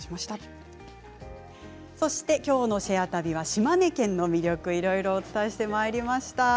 きょうの「シェア旅」は島根県の魅力をいろいろお伝えしてまいりました。